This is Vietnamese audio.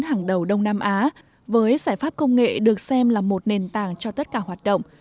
hàng đầu đông nam á với giải pháp công nghệ được xem là một nền tảng cho tất cả hoạt động